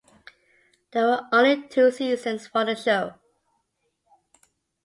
There were only two seasons for the show.